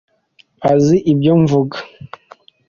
azi ibyo mvuga.